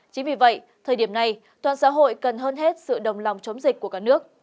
chính vì vậy thời điểm này toàn xã hội cần hơn hết sự đồng lòng chống dịch của cả nước